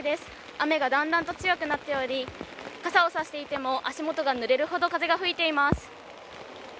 雨が段々と強くなっており、傘をさしていても足元が濡れるほど風が吹いています。